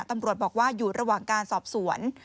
ตำรวจบอกว่าอยู่ระหว่างการสอบสวน